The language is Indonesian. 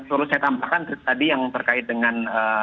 perlu saya tambahkan tadi yang terkait dengan